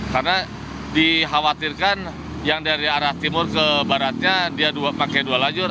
karena dikhawatirkan yang dari arah timur ke baratnya dia pakai dua lajur